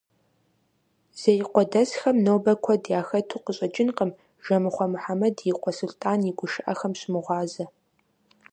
Зеикъуэдэсхэм нобэ куэд яхэту къыщӏэкӏынкъым Жэмыхъуэ Мухьэмэд и къуэ Сулътӏан и гушыӏэхэм щымыгъуазэ.